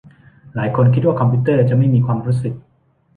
หลายคนคิดว่าคอมพิวเตอร์จะไม่มีความรู้สึก